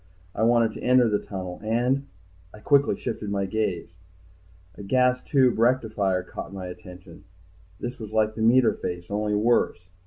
I wanted to enter the tunnel and Quickly I shifted my gaze. A gas tube rectifier caught my attention. This was like the meter face, only worse.